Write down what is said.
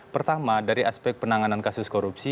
pertama dari aspek penanganan kasus korupsi